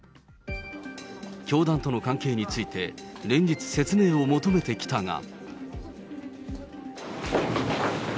教団との関係について、連日説明を求めてきたが。